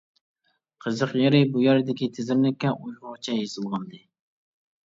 قىزىق يېرى، بۇ يەردىكى تىزىملىككە ئۇيغۇرچە يېزىلغانىدى.